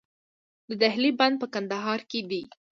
د دهلې بند په کندهار کې دی